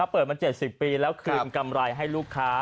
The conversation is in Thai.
เปิดมา๗๐ปีแล้วคืนกำไรให้ลูกค้า